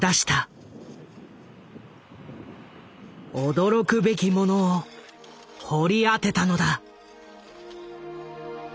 驚くべきものを掘り当てたのだ。